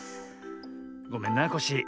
ごめんなコッシー。